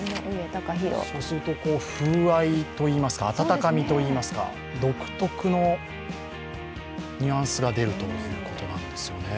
そうすると、風合いと言いますか温かみと言いますか独特のニュアンスが出るということなんですよね。